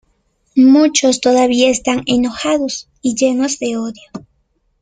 Muchos todavía están enojados y llenos de odio.